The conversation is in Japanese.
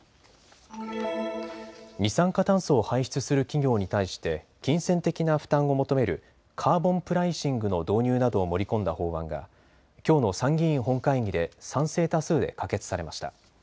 二酸化炭素を排出する企業に対して金銭的な負担を求めるカーボンプライシングの導入などを盛り込んだ法案がきょうの参議院本会議で賛成多数で可決されました。